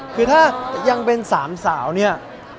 คือถ้ายังเป็นสามสาวเนี่ย